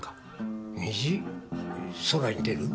空に出る？